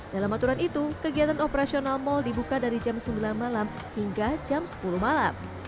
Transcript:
dalam aturan itu kegiatan operasional mal dibuka dari jam sembilan malam hingga jam sepuluh malam